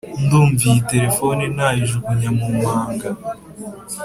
ndumva iyi telephone, nayijugunya mumanga